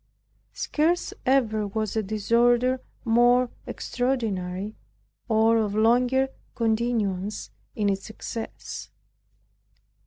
Scarce ever was a disorder more extraordinary, or of longer continuance in its excess.